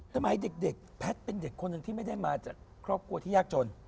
สมัยเด็กแพทย์เป็นเด็กคนหนึ่งที่ไม่ได้มาจากครอบครัวที่ยากจน